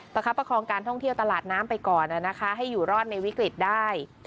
คับประคองการท่องเที่ยวตลาดน้ำไปก่อนให้อยู่รอดในวิกฤตได้